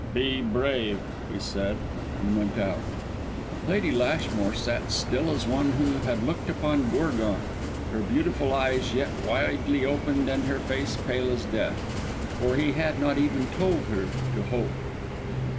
"Be brave," he said and went out. Lady Lashmore sat still as one who had looked upon Gorgon, her beautiful eyes yet widely opened and her face pale as death; for he had not even told her to hope.